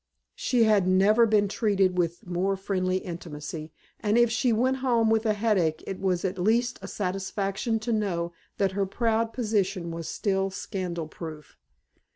She had never been treated with more friendly intimacy, and if she went home with a headache it was at least a satisfaction to know that her proud position was still scandal proof.